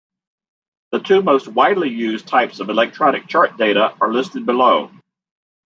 The two most widely used types of electronic chart data are listed below.